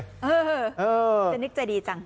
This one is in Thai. เจนิกใจดีจัง